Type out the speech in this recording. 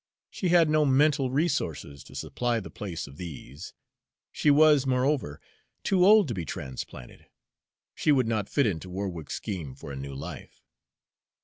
She had no mental resources to supply the place of these; she was, moreover, too old to be transplanted; she would not fit into Warwick's scheme for a new life.